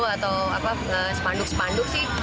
atau sepanduk sepanduk sih